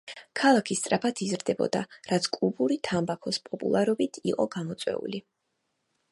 ქალაქი სწრაფად იზრდებოდა, რაც კუბური თამბაქოს პოპულარობით იყო გამოწვეული.